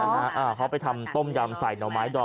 อ๋อเหรออ่าเขาไปทำต้มยำใส่หน่อไม้ดอง